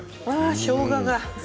しょうがが。